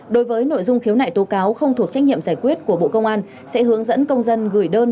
đối với nội dung khiếu nại tố cáo không thuộc trách nhiệm giải quyết của bộ công an sẽ hướng dẫn công dân gửi đơn